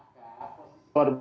itu adalah sistem negara hukum ya